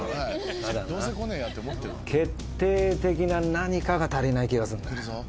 ただな決定的な何かが足りない気がすんだよ。